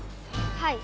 はい。